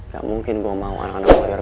gak mungkin gua mau anak anak warrior